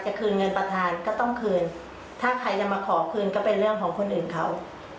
คืนเงินประธานก็ต้องคืนถ้าใครจะมาขอคืนก็เป็นเรื่องของคนอื่นเขา